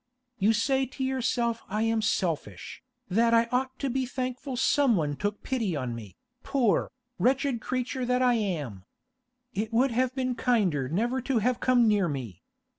You say to yourself I am selfish, that I ought to be thankful someone took pity on me, poor, wretched creature that I am. It would have been kinder never to have come near me.